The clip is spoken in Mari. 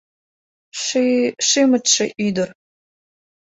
Ши-шимытше ӱдыр